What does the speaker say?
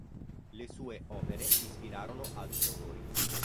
Le sue opere ispirarono altri autori.